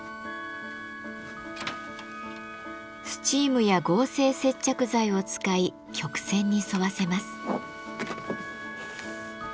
スチームや合成接着剤を使い曲線に沿わせます。